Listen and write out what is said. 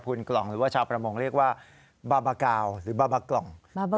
หรือว่าชาวประมวงเรียกว่าบาบากล่อง